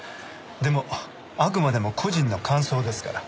でもあくまでも個人の感想ですから。